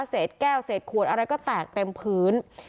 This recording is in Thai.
เศษแก้วเศษขวดอะไรก็แตกเต็มพื้น